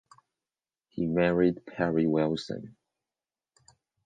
He married Perry Wilson.